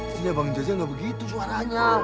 istrinya bang jajah gak begitu suaranya